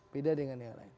beda dengan yang lain